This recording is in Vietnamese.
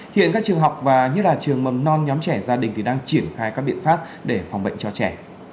hiện các trường học và như là trường mầm non nhóm trẻ gia đình thì đang triển khai các biện pháp để phòng bệnh cho trẻ